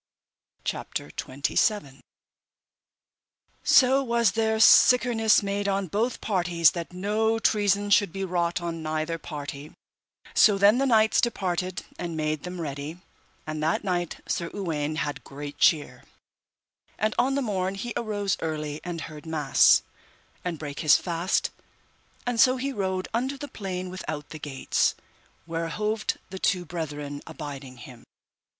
CHAPTER XXVII. How Sir Uwaine fought with two knights and overcame them. So was there sikerness made on both parties that no treason should be wrought on neither party; so then the knights departed and made them ready, and that night Sir Uwaine had great cheer. And on the morn he arose early and heard mass, and brake his fast, and so he rode unto the plain without the gates, where hoved the two brethren abiding him.